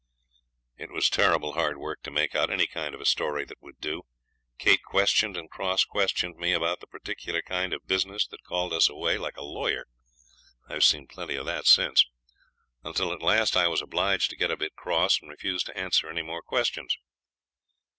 It was terrible hard work to make out any kind of a story that would do. Kate questioned and cross questioned me about the particular kind of business that called us away like a lawyer (I've seen plenty of that since) until at last I was obliged to get a bit cross and refuse to answer any more questions.